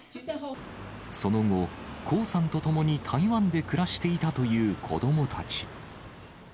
その後、江さんと共に台湾で暮らしていたという子どもたち。